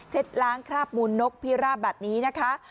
ล้างคราบมูลนกพิราบแบบนี้นะคะ